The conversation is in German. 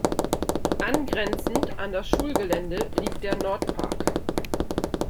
Angrenzend an das Schulgelände liegt der Nordpark.